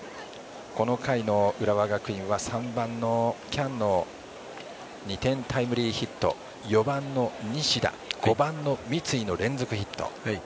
この回の浦和学院は３番の喜屋武の２点タイムリーヒット４番の西田５番の三井の連続ヒット。